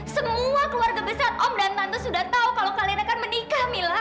semua keluarga besar om dan tante sudah tahu kalau kalian akan menikah mila